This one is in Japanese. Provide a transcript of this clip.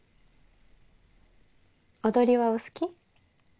踊りはお好き？